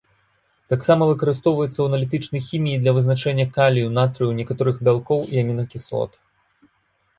Таксама выкарыстоўваецца ў аналітычнай хіміі для вызначэння калію, натрыю, некаторых бялкоў і амінакіслот.